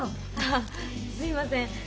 あすいません。